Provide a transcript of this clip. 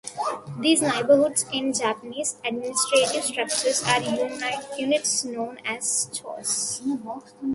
These neighborhoods in Japanese administrative structure are units known as chos.